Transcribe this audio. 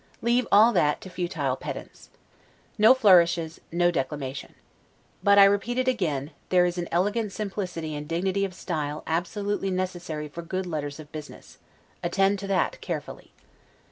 Leave all that to futile pedants. No flourishes, no declamation. But (I repeat it again) there is an elegant simplicity and dignity of style absolutely necessary for good letters of business; attend to that carefully.